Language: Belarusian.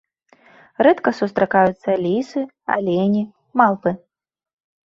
Рэдка сустракаюцца лісы, алені, малпы.